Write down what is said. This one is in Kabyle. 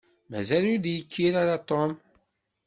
Mazal ur d-yekkir ara Tom.